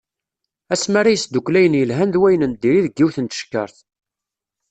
Asmi ara yesdukkel ayen yelhan d wayen n diri deg yiwet n tcekkart.